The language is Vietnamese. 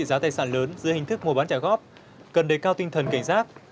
giá tài sản lớn dưới hình thức mua bán trả góp cần đề cao tinh thần cảnh giác